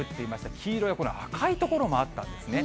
黄色や赤い所もあったんですね。